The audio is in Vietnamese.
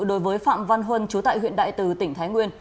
đối với phạm văn huân chú tại huyện đại từ tỉnh thái nguyên